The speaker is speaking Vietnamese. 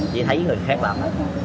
chỉ thấy người khác làm